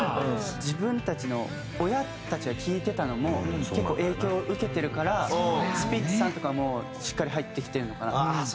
自分たちの親たちが聴いてたのも結構影響受けてるからスピッツさんとかもしっかり入ってきてるのかなって。